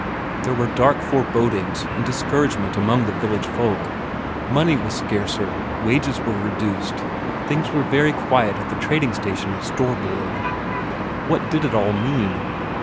There were dark forebodings and discouragement among the village folk; money was scarcer, wages were reduced, things were very quiet at the trading station at Storborg. What did it all mean?